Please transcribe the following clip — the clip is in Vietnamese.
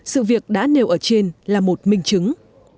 sự việc đã nêu ở trên là một minh chứng